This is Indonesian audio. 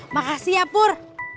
makasih ya pur